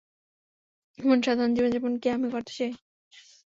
এমন সাধারণ জীবনযাপন কি আমি করতে চাই?